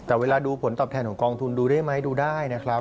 แต่เวลาดูผลตอบแทนของกองทุนดูได้ไหมดูได้นะครับ